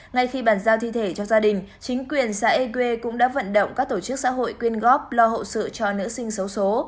ngay khi bàn giao thi thể cho gia đình chính quyền xã ege cũng đã vận động các tổ chức xã hội quyên góp lo hậu sự cho nữ sinh xấu xố